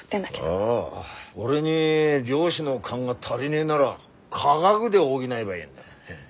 ああ俺に漁師の勘が足りねえなら科学で補えばいいんだ。